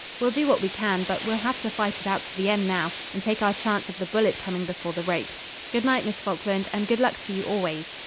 We'll do what we can, but we'll have to fight it out to the end now, and take our chance of the bullet coming before the rope. Good night, Miss Falkland, and good luck to you always.'